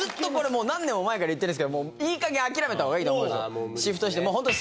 ずっとこれもう、何年も前から言ってるんですけど、いいかげん諦めたほうがいいと思うんです。